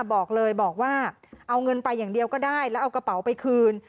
บอกเลยบอกว่าเอาเงินไปอย่างเดียวก็ได้แล้วเอากระเป๋าไปคืน